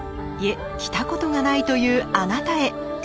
いえ着たことがないというあなたへ。